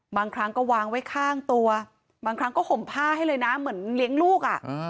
บางครั้งก็วางไว้ข้างตัวบางครั้งก็ห่มผ้าให้เลยนะเหมือนเลี้ยงลูกอ่ะ